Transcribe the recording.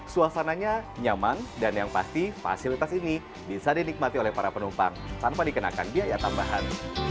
suasananya nyaman dan yang pasti fasilitas ini bisa dinikmati oleh para penumpang tanpa dikenakan biaya tambahan